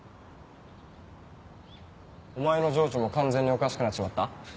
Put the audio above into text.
お前の情緒も完全におかしくなっちまった？